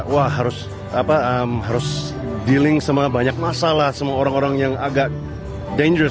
wah harus dealing sama banyak masalah sama orang orang yang agak danger